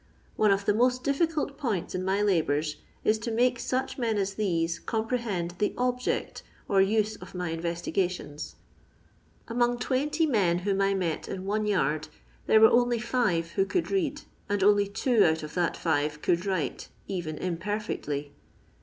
One of the most difficult points in my labours is to make such men as these comprehend the object or use of my investigations. Among 20 men whom I met in one yard, there were only five who could read, and only two out of that five could write, even imperfectly.